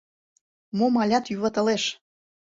Мом алят юватылеш?